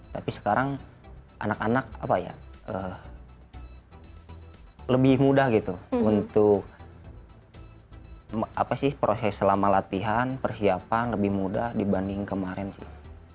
tapi sekarang anak anak apa ya lebih mudah gitu untuk proses selama latihan persiapan lebih mudah dibanding kemarin sih